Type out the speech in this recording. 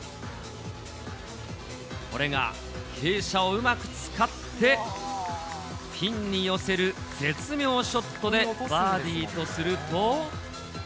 これが傾斜をうまく使って、ピンに寄せる絶妙ショットでバーディーとすると。